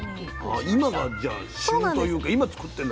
今がじゃあ旬というか今作ってんの？